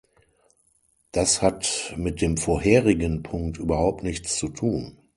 Das hat mit dem vorherigen Punkt überhaupt nichts zu tun.